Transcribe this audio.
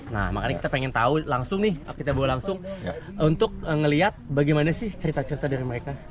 nah makanya kita pengen tahu langsung nih kita bawa langsung untuk melihat bagaimana sih cerita cerita dari mereka